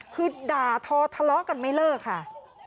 คือด่าทอทะเลาะกันไม่เลิกค่ะ